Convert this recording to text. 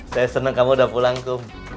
saya senang kamu udah pulang tuh